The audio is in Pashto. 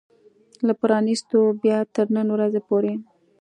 له پرانيستلو بيا تر نن ورځې پورې